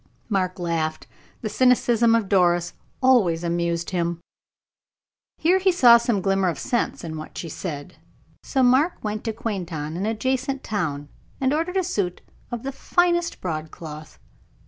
Mark laughed. The cynicism of Doris always amused him. Here he saw some glimmer of sense in what she said; so Mark went to Quainton, an adjacent town, and ordered a suit of the finest broadcloth.